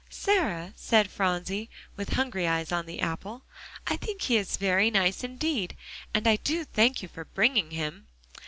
"Sarah," said Phronsie, with hungry eyes on the apple, "I think he is very nice indeed, and I do thank you for bringing him."